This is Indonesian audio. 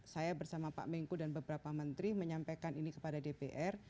saya bersama pak mengku dan beberapa menteri menyampaikan ini kepada dpr